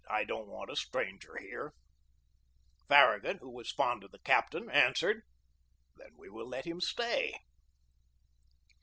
I don't want a stranger here/' Farragut, who was fond of the captain, answered : "Then we will let him stay."